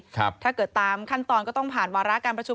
ถ้าเกิดตามขั้นตอนก็ต้องผ่านวาระการประชุม